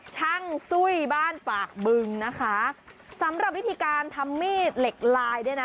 ช่างซุ้ยบ้านปากบึงนะคะสำหรับวิธีการทำมีดเหล็กลายเนี่ยนะ